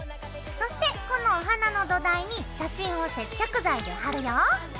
そしてこのお花の土台に写真を接着剤で貼るよ。